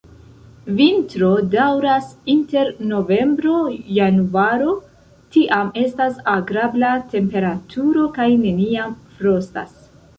Vintro daŭras inter novembro-januaro, tiam estas agrabla temperaturo kaj neniam frostas.